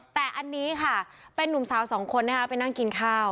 แต่อันนี้ค่ะเป็นนุ่มสาวสองคนนะคะไปนั่งกินข้าว